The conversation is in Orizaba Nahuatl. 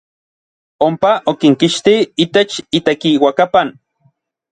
Ompa okinkixtij itech itekiuakapan.